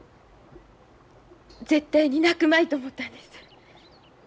絶対に泣くまいと思ったんです。